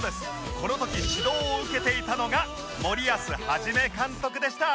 この時指導を受けていたのが森保一監督でした